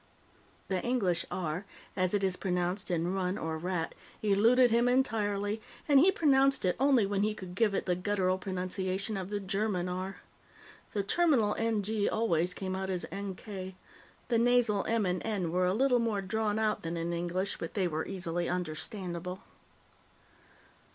The English _R__, as it is pronounced in _run__ or _rat__, eluded him entirely, and he pronounced it only when he could give it the guttural pronunciation of the German _R__. The terminal _NG__ always came out as _NK__. The nasal _M__ and N were a little more drawn out than in English, but they were easily understandable.